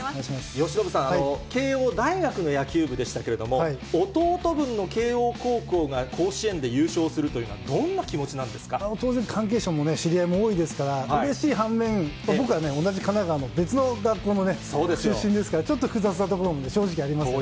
由伸さん、慶応大学の野球部でしたけれども、弟分の慶応高校が甲子園で優勝するというのは、どんな気持ちなん当然、関係者もね、知り合いも多いですから、うれしい半面、僕はね、同じ神奈川の別の学校の出身ですから、ちょっと複雑なところもね、正直ありますね。